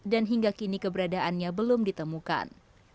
dan hingga kini keberadaannya belum ditemukan